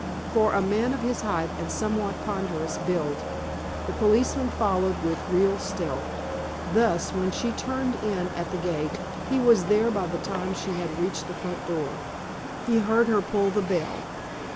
For a man of his height and somewhat ponderous build, the policeman followed with real stealth. Thus, when she turned in at the gate, he was there by the time she had reached the front door. He heard her pull the bell.